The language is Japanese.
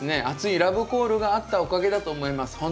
熱いラブコールがあったおかげだと思います。